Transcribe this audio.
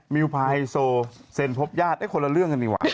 วิวพาไฮโซเซ็นพบญาติคนละเรื่องกันดีกว่า